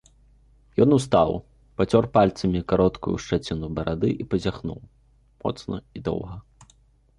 Ён устаў, пацёр пальцамі кароткую шчаціну барады і пазяхнуў, моцна і доўга.